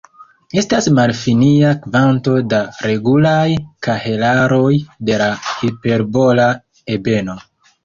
Estas malfinia kvanto da regulaj kahelaroj de la hiperbola ebeno.